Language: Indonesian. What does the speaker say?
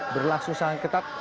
berlangsung sangat ketat